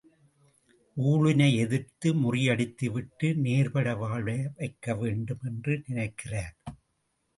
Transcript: ஊழினை எதிர்த்து முறியடித்து விட்டு நேர்பட வாழவைக்க வேண்டும் என்று நினைக்கிறார்!